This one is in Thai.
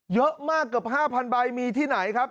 เยอะมากเกือบ๕๐๐ใบมีที่ไหนครับ